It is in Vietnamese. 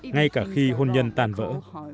ngay cả khi hôn nhân tàn vỡ